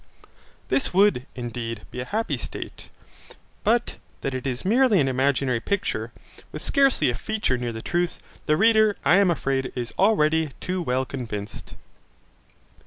This would, indeed, be a happy state. But that it is merely an imaginary picture, with scarcely a feature near the truth, the reader, I am afraid, is already too well convinced.